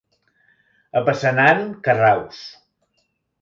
A Passanant, carraus.